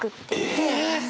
え！